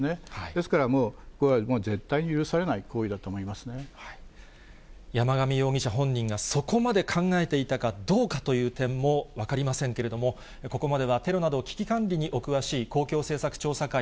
ですから、もう絶対に許されない山上容疑者本人が、そこまで考えていたかどうかという点も分かりませんけれども、ここまでは、テロなど危機管理にお詳しい、公共政策調査会、